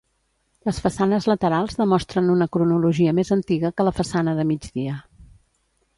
Les façanes laterals demostren una cronologia més antiga que la façana de migdia.